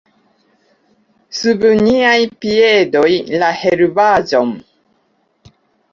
Sub niaj piedoj: la herbaĵon!